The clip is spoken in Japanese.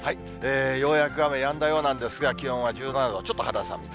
ようやく雨やんだようなんですが、気温は１７度、ちょっと肌寒い。